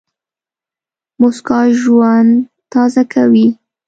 موسکا ژوند تازه کوي.